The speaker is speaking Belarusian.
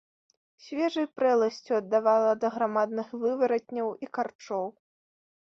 Свежай прэласцю аддавала ад аграмадных вываратняў і карчоў.